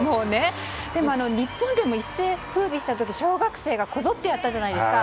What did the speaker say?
でも、日本でも一世を風靡した時小学生がこぞってやったじゃないですか。